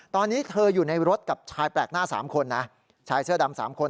ตอนนี้เธออยู่ในรถกับชายแปลกหน้า๓คนนะชายเสื้อดำ๓คน